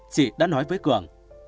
chị đã nói với cường